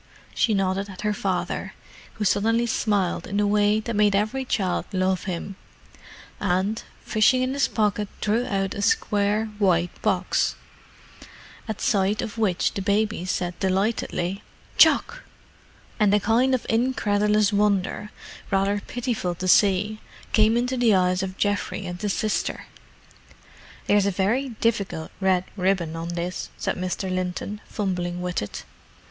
She nodded at her father, who suddenly smiled in the way that made every child love him, and, fishing in his pocket drew out a square white box—at sight of which the baby said delightedly, "Choc!" and a kind of incredulous wonder, rather pitiful to see, came into the eyes of Geoffrey and his sister. "There's a very difficult red ribbon on this," said Mr. Linton, fumbling with it.